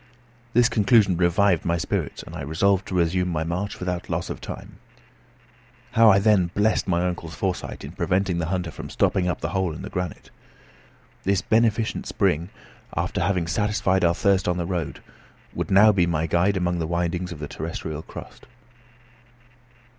This conclusion revived my spirits, and I resolved to resume my march without loss of time. How I then blessed my uncle's foresight in preventing the hunter from stopping up the hole in the granite. This beneficent spring, after having satisfied our thirst on the road, would now be my guide among the windings of the terrestrial crust.